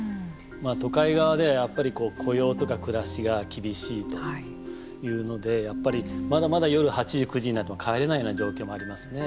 都会側では、やっぱり雇用とか暮らしが厳しいというのでやっぱり、まだまだ夜８時９時になっても帰れないような状況もありますね。